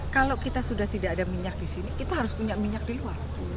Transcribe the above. kalau kita sudah tidak ada minyak di sini kita harus punya minyak di luar